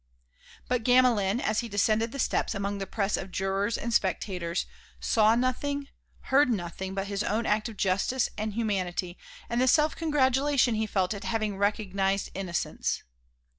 But Gamelin, as he descended the steps among the press of jurors and spectators, saw nothing, heard nothing but his own act of justice and humanity and the self congratulation he felt at having recognized innocence.